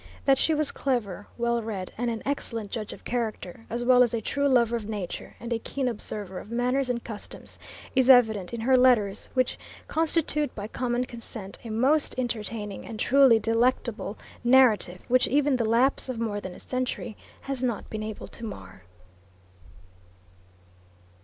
That she was clever, well read, and an excellent judge of character, as well as a true lover of nature and a keen observer of manners and customs, is evident in her letters, which constitute by common consent a most entertaining and truly delectable narrative, which even the lapse of more than a century has not been able to mar.